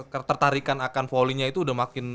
ketertarikan akan volleynya itu udah makin